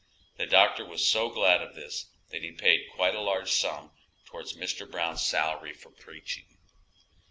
The doctor was so glad of this that he paid quite a large sum towards Mr. Brown's salary for preaching.